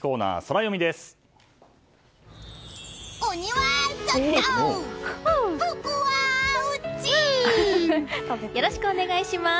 よろしくお願いします。